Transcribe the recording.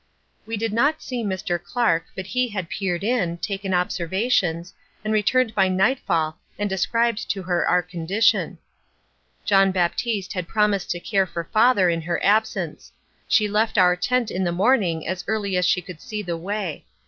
We did not see Mr. Clark, but he had peered in, taken observations, and returned by nightfall and described to her our condition. John Baptiste had promised to care for father in her absence. She left our tent in the morning as early as she could see the way.